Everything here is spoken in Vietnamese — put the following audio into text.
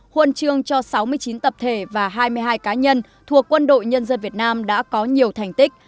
huân chương cho sáu mươi chín tập thể và hai mươi hai cá nhân thuộc quân đội nhân dân việt nam đã có nhiều thành tích